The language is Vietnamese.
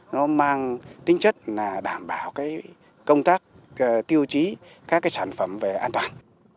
nó mang tính chất là đảm bảo cái công tác tiêu chí các cái sản phẩm về an toàn